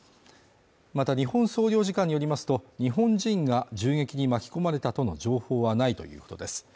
また日本総領事館によりますと、日本人が銃撃に巻き込まれたとの情報はないということです